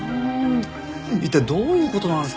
一体どういう事なんですか？